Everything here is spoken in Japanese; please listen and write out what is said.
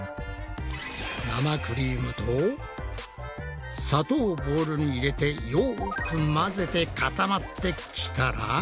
生クリームと砂糖をボウルに入れてよく混ぜてかたまってきたら。